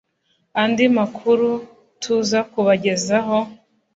andi makuru tuza kubagezaho